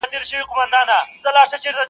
هغه لږ خبري کوي تل,